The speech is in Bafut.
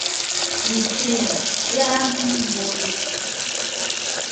Ǹtsena tswe aa amûm m̀borǝ̀.